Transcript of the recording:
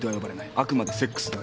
あくまでセックスだけ。